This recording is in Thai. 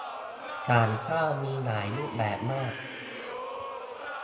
ศาลเจ้า มีหลายรูปแบบมาก